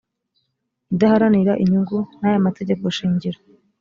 idaharanira inyungu n aya mategeko shingiro